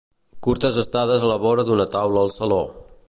Curtes estades a la vora d’una taula al saló.